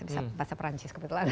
bisa bahasa perancis kebetulan